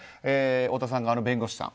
太田さん側の弁護士さん。